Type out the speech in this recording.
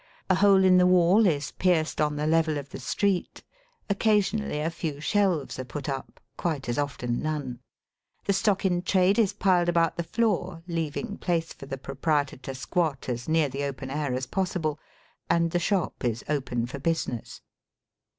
A hole in the wall is pierced on the level of the street; occasionally a few shelves are put up, quite as often none ; the stock in trade is piled about the floor, leaving place for the proprietor to squat, as near the open air as possible ; and the shop is open for business.